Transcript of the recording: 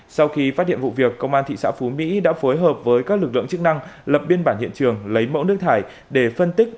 sau khi phát hiện vụ việc công an thị xã phú mỹ đã phối hợp với các lực lượng chức năng lập biên bản hiện trường lấy mẫu nước thải để phân tích